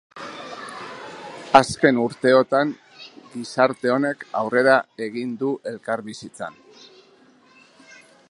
Azken urteotan gizarte honek aurrera egin du elkarbizitzan.